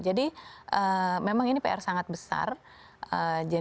jadi memang ini adalah hal yang harus kita lakukan